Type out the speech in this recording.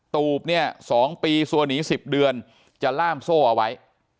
ตูบเนี่ย๒ปีซัวหนี๑๐เดือนจะล่ามโซ่เอาไว้